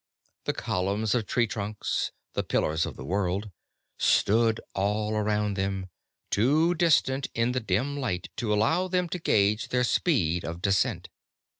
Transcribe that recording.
The columns of tree trunks, the pillars of the world, stood all around them, too distant in the dim light to allow them to gauge their speed of descent.